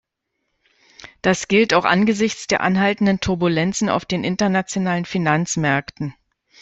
Das gilt auch angesichts der anhaltenden Turbulenzen auf den internationalen Finanzmärkten.